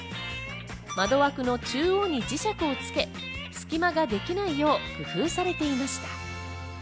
窓枠の中央に磁石をつけ、隙間ができないよう工夫されていました。